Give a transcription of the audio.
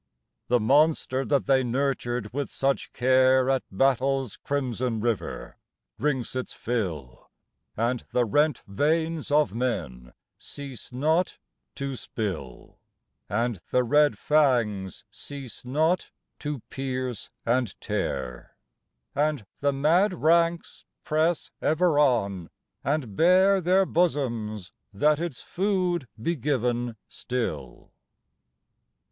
The monster that they nurtured with such care At battle s crimson river drinks its fill, And the rent veins of men cease not to spill, And the red fangs cease not to pierce and tear, And the mad ranks press ever on, and bare Their bosoms, that its food be given still.